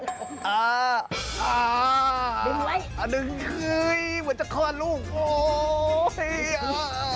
ดึงไว้ดึงเหมือนจะคลอลูกโอ้โฮ